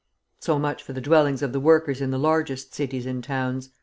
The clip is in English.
So much for the dwellings of the workers in the largest cities and towns.